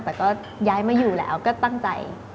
แต่ก็ย้ายมาอยู่แล้วก็ตั้งใจ